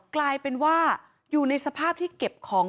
กลายเป็นว่าอยู่ในสภาพที่เก็บของ